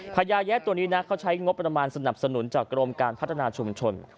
พญาแยะตัวนี้นะเขาใช้งบประมาณสนับสนุนจากกรมการพัฒนาชุมชน